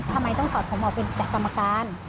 ทำไมต้องถอดผมออกเป็นจากกรรมการ